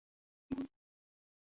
তুমি বানিয়েছ, তাতে কিছু যায় আসে না।